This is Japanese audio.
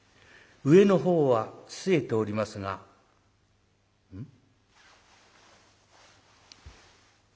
上の方はすえておりますが「ん？」。